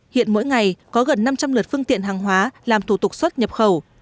hiện mỗi ngày có gần năm trăm linh lượt phương tiện hàng hóa làm thủ tục xuất nhập khẩu